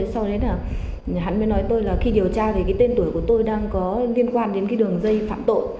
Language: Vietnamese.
sau đấy là hắn mới nói tôi là khi điều tra thì cái tên tuổi của tôi đang có liên quan đến cái đường dây phạm tội